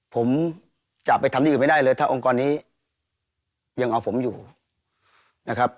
ผมจะไปทำที่อื่นไม่ได้เลยถ้าองค์กรนี้ยังเอาผมอยู่นะครับ